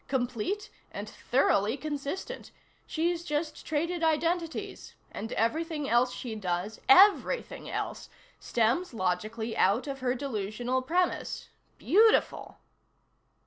"Complete and thoroughly consistent. She's just traded identities and everything else she does everything else stems logically out of her delusional premise. Beautiful."